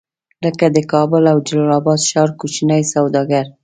لکه د کابل او جلال اباد ښار کوچني سوداګر.